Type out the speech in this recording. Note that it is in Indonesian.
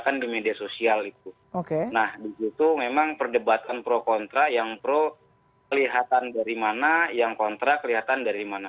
kelihatan dari mana yang kontra kelihatan dari mana